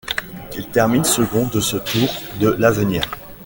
Il termine second de ce Tour de l'Avenir.